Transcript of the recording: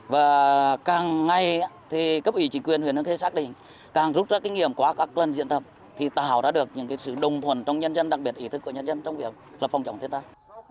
và càng ngày thì cấp ủy chính quyền huyện hương khê xác định càng rút ra kinh nghiệm qua các lần diễn tập thì tạo ra được những sự đồng thuận trong nhân dân đặc biệt ý thức của nhân dân trong việc là phòng chống thiên tai